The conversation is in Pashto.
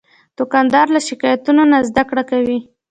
دوکاندار له شکایتونو نه زدهکړه کوي.